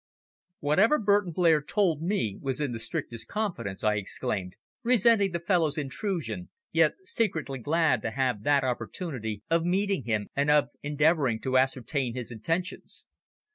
"Whatever Burton Blair told me was in strictest confidence," I exclaimed, resenting the fellow's intrusion, yet secretly glad to have that opportunity of meeting him and of endeavouring to ascertain his intentions.